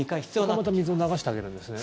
それでまた水を流してあげるんですね。